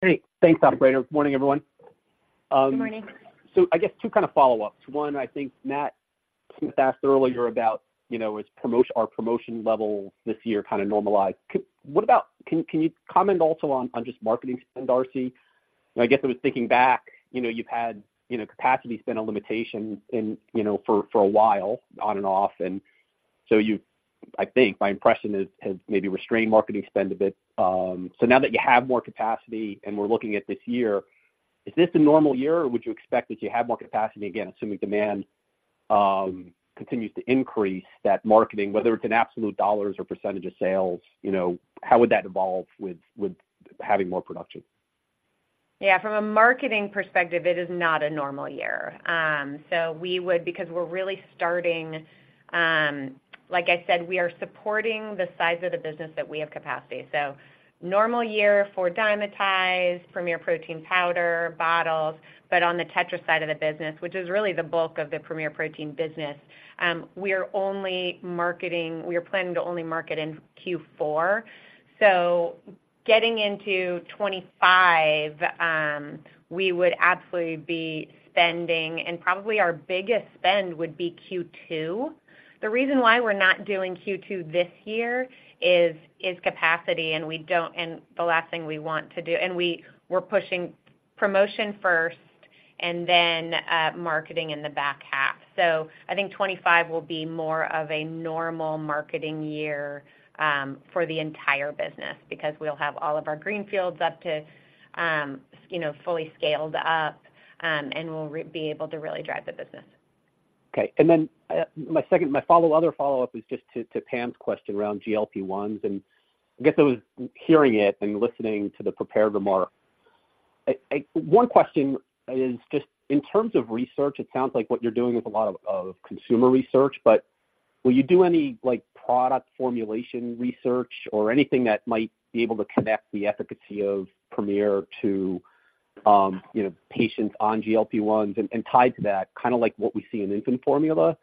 Hey, thanks, operator. Morning, everyone. Good morning. So I guess two kind of follow-ups. One, I think Matt Smith asked earlier about, you know, as promotion, our promotion level this year kind of normalized. Could you comment also on just marketing spend, Darcy? And I guess I was thinking back, you know, you've had, you know, capacity spend on limitations and, you know, for a while, on and off. And so you I think my impression is, has maybe restrained marketing spend a bit. So now that you have more capacity and we're looking at this year, is this a normal year, or would you expect that you have more capacity, again, assuming demand continues to increase that marketing, whether it's in absolute dollars or percentage of sales, you know, how would that evolve with having more production? Yeah, from a marketing perspective, it is not a normal year. So we would, because we're really starting, like I said, we are supporting the size of the business that we have capacity. So normal year for Dymatize, Premier Protein powder, bottles, but on the Tetra side of the business, which is really the bulk of the Premier Protein business, we are only marketing—we are planning to only market in Q4. So getting into 2025, we would absolutely be spending, and probably our biggest spend would be Q2. The reason why we're not doing Q2 this year is capacity, and we don't... And the last thing we want to do, and we're pushing promotion first and then, marketing in the back half. So I think 2025 will be more of a normal marketing year for the entire business because we'll have all of our greenfields up to, you know, fully scaled up, and we'll be able to really drive the business. Okay. And then my second, my other follow-up is just to Pam's question around GLP-1s, and I guess I was hearing it and listening to the prepared remark. I, one question is just in terms of research, it sounds like what you're doing is a lot of consumer research, but will you do any, like, product formulation research or anything that might be able to connect the efficacy of Premier to, you know, patients on GLP-1s? And tied to that, kind of like what we see in infant formula,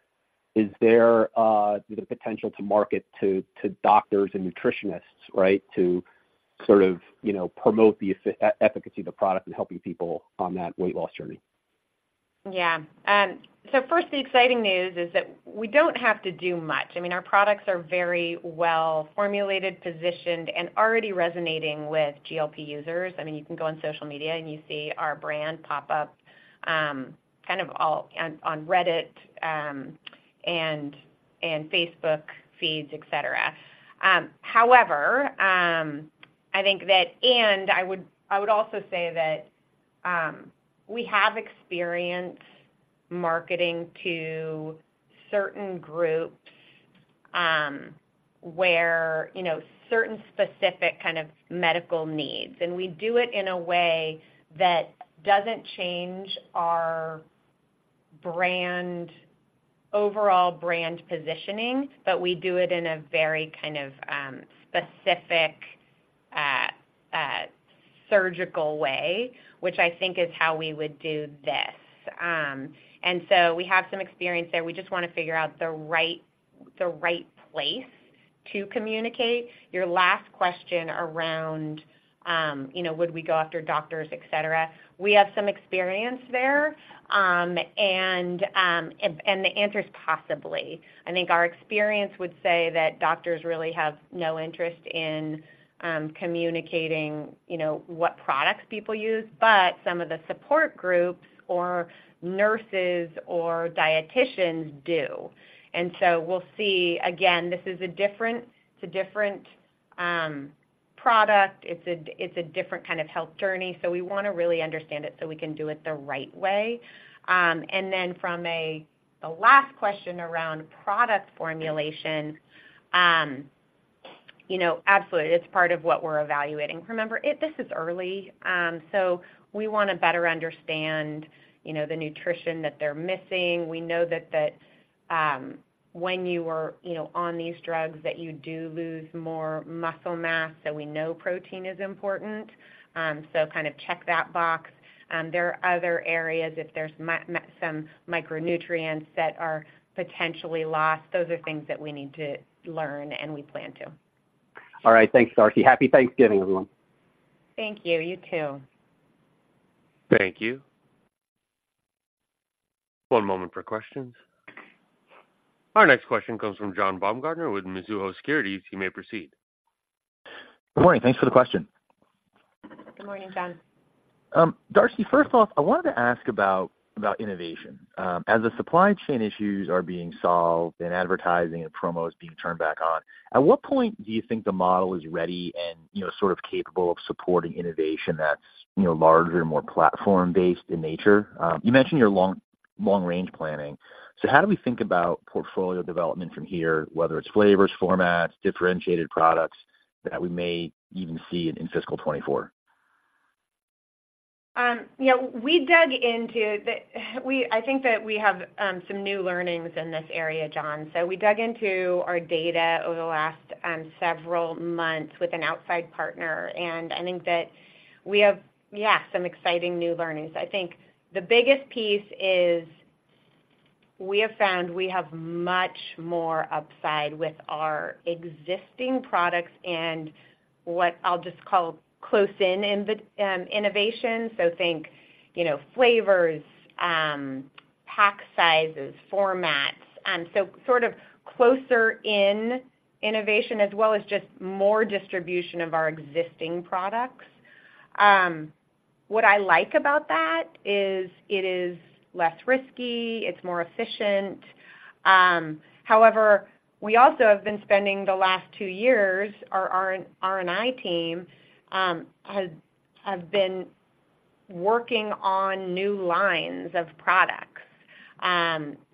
is there the potential to market to doctors and nutritionists, right, to sort of, you know, promote the efficacy of the product in helping people on that weight loss journey? Yeah. So first, the exciting news is that we don't have to do much. I mean, our products are very well formulated, positioned, and already resonating with GLP users. I mean, you can go on social media and you see our brand pop up, kind of all on Reddit, and Facebook feeds, et cetera. However, I think that... I would also say that we have experienced marketing to certain groups, where, you know, certain specific kind of medical needs, and we do it in a way that doesn't change our brand, overall brand positioning, but we do it in a very kind of specific, surgical way, which I think is how we would do this. And so we have some experience there. We just want to figure out the right, the right place to communicate. Your last question around, you know, would we go after doctors, et cetera? We have some experience there, and the answer is possibly. I think our experience would say that doctors really have no interest in communicating, you know, what products people use, but some of the support groups or nurses or dieticians do. And so we'll see. Again, this is a different, it's a different, product. It's a, it's a different kind of health journey, so we want to really understand it so we can do it the right way. And then from a, the last question around product formulation, you know, absolutely. It's part of what we're evaluating. Remember, this is early, so we want to better understand, you know, the nutrition that they're missing. We know that, when you are, you know, on these drugs, that you do lose more muscle mass, so we know protein is important. So kind of check that box. There are other areas, if there's some micronutrients that are potentially lost, those are things that we need to learn, and we plan to. All right. Thanks, Darcy. Happy Thanksgiving, everyone. Thank you. You too. Thank you. One moment for questions. Our next question comes from John Baumgartner with Mizuho Securities. You may proceed. Good morning. Thanks for the question. Good morning, John. Darcy, first off, I wanted to ask about about innovation. As the supply chain issues are being solved and advertising and promos being turned back on, at what point do you think the model is ready and, you know, sort of capable of supporting innovation that's, you know, larger and more platform-based in nature? You mentioned your long range planning. So how do we think about portfolio development from here, whether it's flavors, formats, differentiated products that we may even see in fiscal 2024? Yeah, we dug into the we I think that we have some new learnings in this area, John. So we dug into our data over the last several months with an outside partner, and I think that we have, yeah, some exciting new learnings. I think the biggest piece is we have found we have much more upside with our existing products and what I'll just call close in innovation. So think, you know, flavors, pack sizes, formats, so sort of closer in innovation, as well as just more distribution of our existing products. What I like about that is it is less risky, it's more efficient. However, we also have been spending the last two years, our R&I team have been working on new lines of products,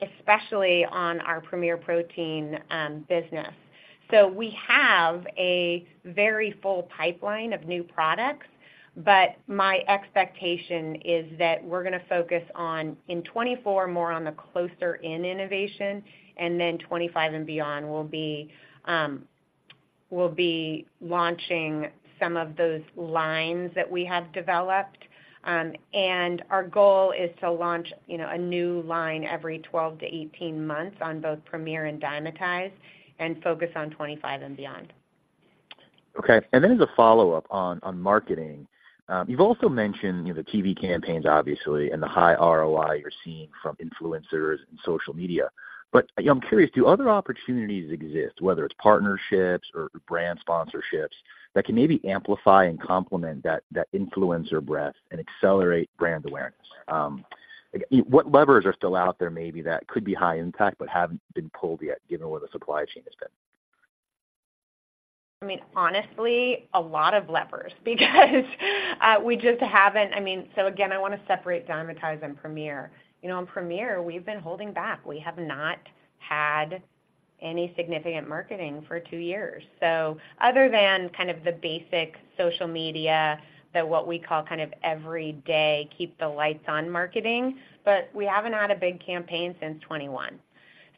especially on our Premier Protein business. So we have a very full pipeline of new products, but my expectation is that we're going to focus on, in 2024, more on the closer-in innovation, and then 2025 and beyond will be, we'll be launching some of those lines that we have developed. And our goal is to launch, you know, a new line every 12-18 months on both Premier and Dymatize and focus on 2025 and beyond. Okay, and then as a follow-up on marketing. You've also mentioned the TV campaigns, obviously, and the high ROI you're seeing from influencers and social media. But I'm curious, do other opportunities exist, whether it's partnerships or brand sponsorships, that can maybe amplify and complement that influencer breadth and accelerate brand awareness? What levers are still out there, maybe that could be high impact but haven't been pulled yet, given where the supply chain has been? I mean, honestly, a lot of levers, because we just haven't. I mean, so again, I want to separate Dymatize and Premier. You know, on Premier, we've been holding back. We have not had any significant marketing for two years. So other than kind of the basic social media, that what we call kind of every day, keep the lights on marketing, but we haven't had a big campaign since 2021.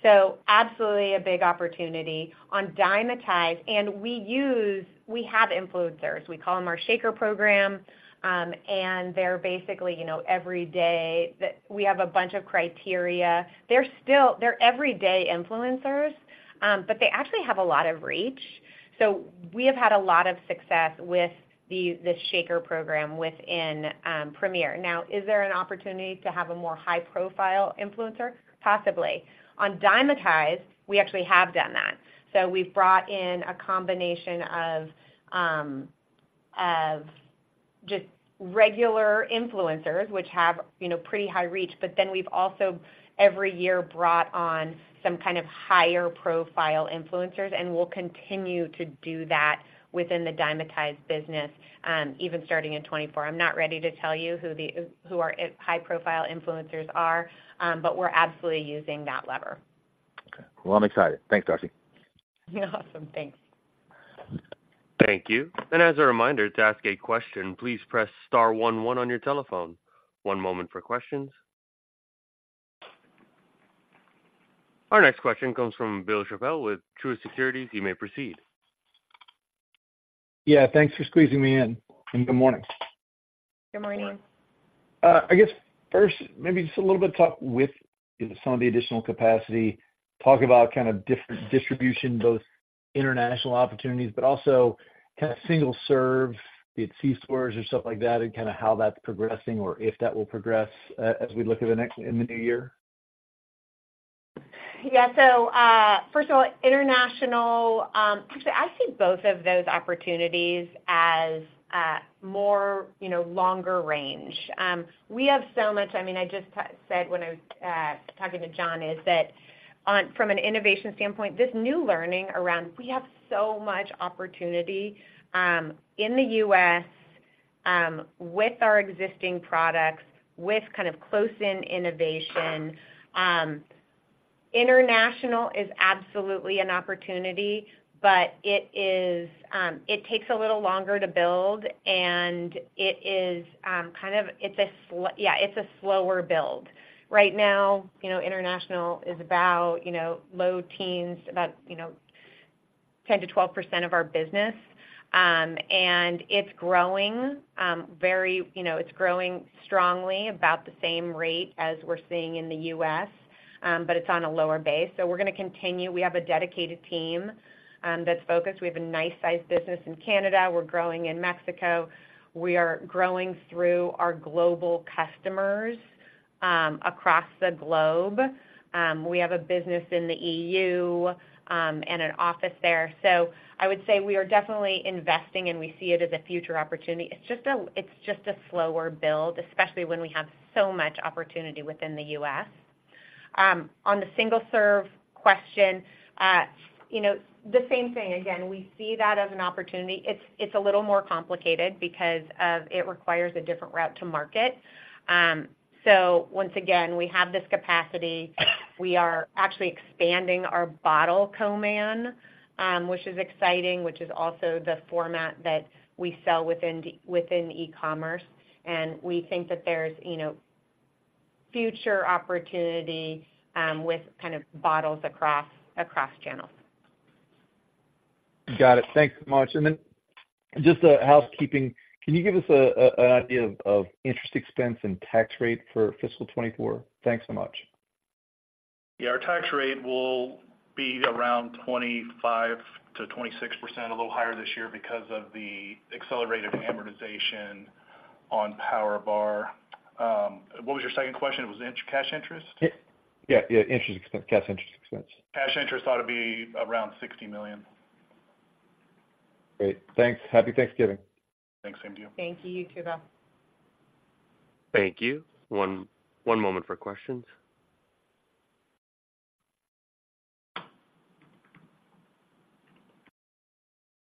So absolutely a big opportunity. On Dymatize, and we use we have influencers. We call them our shaker program, and they're basically, you know, every day. We have a bunch of criteria. They're still they're everyday influencers, but they actually have a lot of reach. So we have had a lot of success with the, the shaker program within, Premier. Now, is there an opportunity to have a more high-profile influencer? Possibly. On Dymatize, we actually have done that. So we've brought in a combination of just regular influencers which have, you know, pretty high reach, but then we've also, every year, brought on some kind of higher profile influencers, and we'll continue to do that within the Dymatize business, even starting in 2024. I'm not ready to tell you who the, who our high-profile influencers are, but we're absolutely using that lever. Okay. Well, I'm excited. Thanks, Darcy. Awesome. Thanks. Thank you. And as a reminder to ask a question, please press Star one one on your telephone. One moment for questions. Our next question comes from Bill Chappell with Truist Securities. You may proceed. Yeah, thanks for squeezing me in, and good morning. Good morning. I guess first, maybe just a little bit talk with some of the additional capacity, talk about kind of different distribution, both international opportunities, but also kind of single serve, be it c-stores or stuff like that, and kind of how that's progressing or if that will progress, as we look at the next in the new year. Yeah. So, first of all, international, actually, I see both of those opportunities as, more, you know, longer range. We have so much. I mean, I just said when I was talking to John, is that from an innovation standpoint, this new learning around, we have so much opportunity in the U.S. with our existing products, with kind of close in innovation. International is absolutely an opportunity, but it is, it takes a little longer to build, and it is, kind of, it's a slower build. Right now, you know, international is about, you know, low teens, about, you know, 10%-12% of our business. And it's growing, you know, it's growing strongly about the same rate as we're seeing in the U.S., but it's on a lower base, so we're going to continue. We have a dedicated team that's focused. We have a nice sized business in Canada. We're growing in Mexico. We are growing through our global customers across the globe. We have a business in the E.U. and an office there. So I would say we are definitely investing, and we see it as a future opportunity. It's just a, it's just a slower build, especially when we have so much opportunity within the U.S. On the single-serve question, you know, the same thing. Again, we see that as an opportunity. It's a little more complicated because it requires a different route to market. So once again, we have this capacity. We are actually expanding our bottle co-man, which is exciting, which is also the format that we sell within e-commerce. And we think that there's, you know, future opportunity with kind of bottles across channels. Got it. Thanks so much. And then just a housekeeping, can you give us an idea of interest expense and tax rate for fiscal 2024? Thanks so much. Yeah, our tax rate will be around 25%-26%, a little higher this year because of the accelerated amortization on PowerBar. What was your second question? It was cash interest? Yeah. Yeah, yeah, interest expense, cash interest expense. Cash interest ought to be around $60 million. Great. Thanks. Happy Thanksgiving. Thanks. Same to you. Thank you. You too, Bill. Thank you. One moment for questions.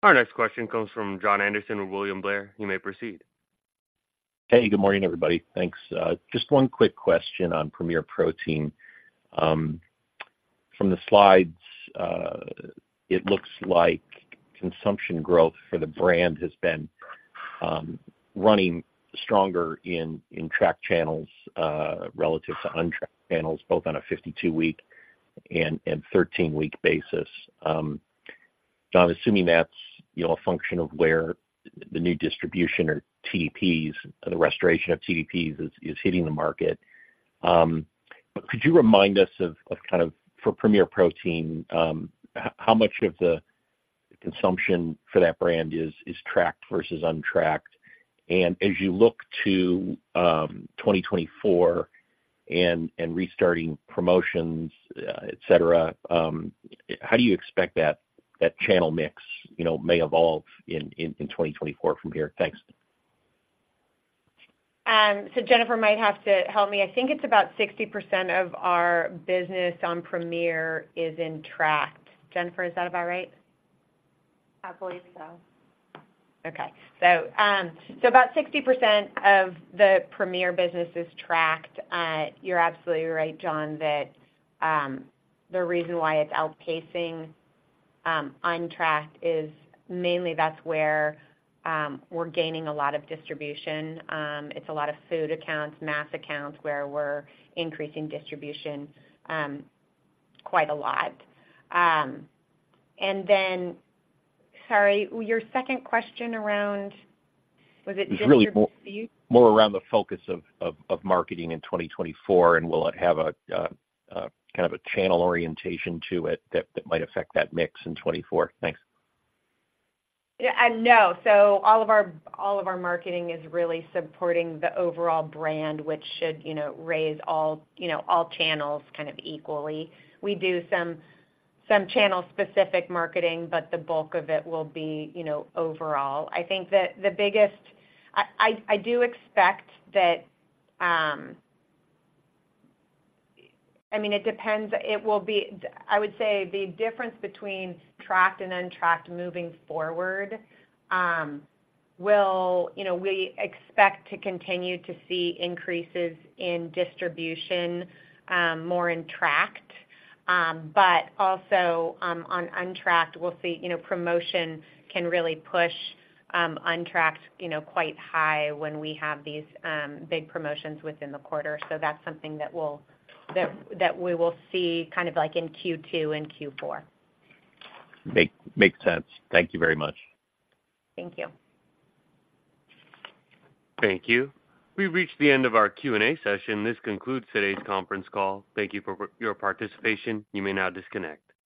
Our next question comes from Jon Andersen with William Blair. You may proceed. Hey, good morning, everybody. Thanks. Just one quick question on Premier Protein. From the slides, it looks like consumption growth for the brand has been running stronger in tracked channels relative to untracked channels, both on a 52-week and 13-week basis. So I'm assuming that's, you know, a function of where the new distribution or TDPs, the restoration of TDPs is hitting the market. But could you remind us of, kind of, for Premier Protein, how much of the consumption for that brand is tracked versus untracked? And as you look to 2024 and restarting promotions, et cetera, how do you expect that channel mix, you know, may evolve in 2024 from here? Thanks. Jennifer might have to help me. I think it's about 60% of our business on Premier is in tracked. Jennifer, is that about right? I believe so. Okay. So, so about 60% of the Premier business is tracked. You're absolutely right, John, that, the reason why it's outpacing, untracked is mainly that's where we're gaining a lot of distribution. It's a lot of food accounts, mass accounts, where we're increasing distribution, quite a lot. And then... Sorry, your second question around, was it distribution? More around the focus of marketing in 2024, and will it have a kind of a channel orientation to it that might affect that mix in 2024? Thanks. Yeah, no. So all of our marketing is really supporting the overall brand, which should, you know, raise all, you know, all channels kind of equally. We do some channel-specific marketing, but the bulk of it will be, you know, overall. I think that the biggest—I do expect that. I mean, it depends. It will be—I would say the difference between tracked and untracked moving forward will. You know, we expect to continue to see increases in distribution, more in tracked. But also, on untracked, we'll see, you know, promotion can really push untracked, you know, quite high when we have these big promotions within the quarter. So that's something that we'll—that we will see kind of like in Q2 and Q4. Makes sense. Thank you very much. Thank you. Thank you. We've reached the end of our Q&A session. This concludes today's conference call. Thank you for your participation. You may now disconnect.